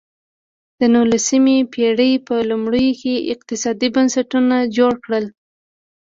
د نولسمې پېړۍ په لومړیو کې اقتصادي بنسټونه جوړ کړل.